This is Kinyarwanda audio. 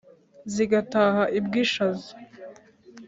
zigataha i bwishaza,